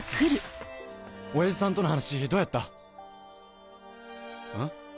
親父さんとの話どうやった？ん？